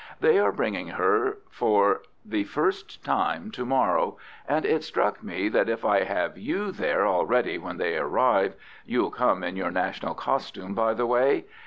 They are bringing her for the first time to morrow, and it struck me that if I have YOU there already when they arrive you'll come in your national costume by the way?